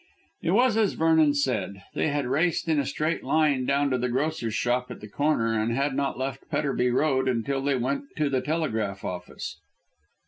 It was as Vernon said. They had raced in a straight line down to the grocer's shop at the corner and had not left Petterby Road until they went to the telegraph office.